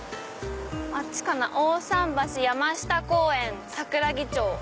あっちかな「大さん橋」「山下公園」「桜木町」。